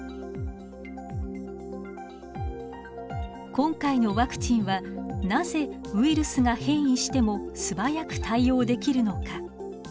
今回のワクチンはなぜウイルスが変異しても素早く対応できるのか。